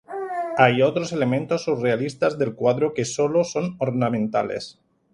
Hay otros elementos surrealistas del cuadro que sólo son ornamentales.